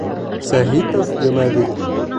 — Сәғитов Йомаҙил.